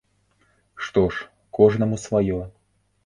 Што ж, кожнаму сваё.